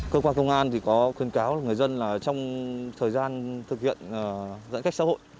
cơ quan công an có khuyên cáo người dân trong thời gian thực hiện giãn cách xã hội